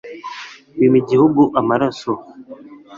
wima igihugu amaraso